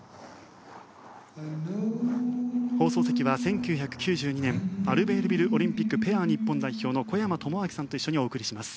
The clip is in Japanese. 放送席は１９９２年アルベールビルオリンピックペア日本代表の小山朋昭さんと一緒にお送りします。